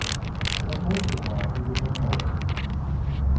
But most of all he was a poet.